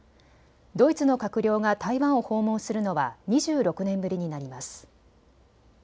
ドイツの閣僚が台湾を訪問するのは２６年ぶりになります。